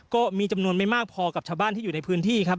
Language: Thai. ก็มีจำนวนไม่มากพอกับชาวบ้านที่อยู่ในพื้นที่ครับ